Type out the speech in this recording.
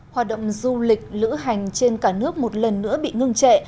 hoạt động du lịch lữ hành trên cả nước một lần nữa bị ngưng trệ